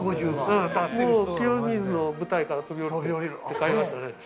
清水の舞台から飛び降りる気持ちで買いましたね。